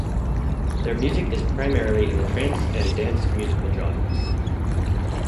Their music is primarily in the trance and dance musical genres.